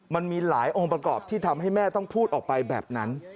มันมีหลายองค์ประกอบที่ทำให้แม่ต้องพูดออกไปแบบนั้น